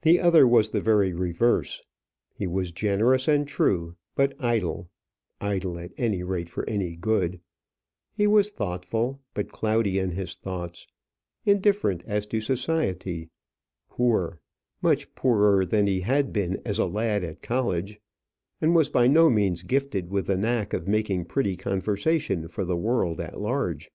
The other was the very reverse. He was generous and true; but idle idle at any rate for any good; he was thoughtful, but cloudy in his thoughts, indifferent as to society, poor, much poorer than he had been as a lad at college, and was by no means gifted with the knack of making pretty conversation for the world at large.